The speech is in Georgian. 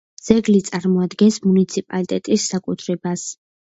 ძეგლი წარმოადგენს მუნიციპალიტეტის საკუთრებას.